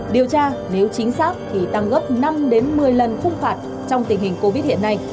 điều tra nếu chính xác thì tăng gấp năm một mươi lần khung phạt trong tình hình covid hiện nay